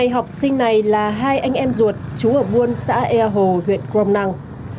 hai học sinh này là hai anh em ruột trú ở buôn xã ea hồ huyện crom nang